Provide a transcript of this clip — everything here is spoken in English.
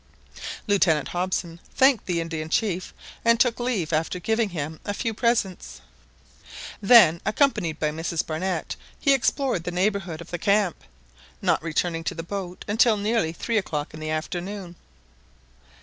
Lieutenant Hobson thanked the Indian chief, and took leave after giving him a few presents. Then accompanied by Mrs Barnett, he explored the neighbourhood of the camp, not returning to the boat until nearly three o'clock in the afternoon.